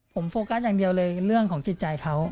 ผมโฟกัสอย่างเดียวเลยเรื่องของจิตใจเขา